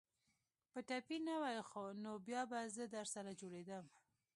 که ټپي نه واى نو بيا به زه درسره جوړېدم.